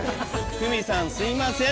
「クミさんすいません」。